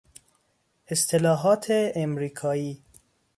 اصطلاحات امریکایی